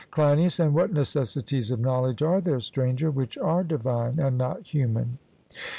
CLEINIAS: And what necessities of knowledge are there, Stranger, which are divine and not human?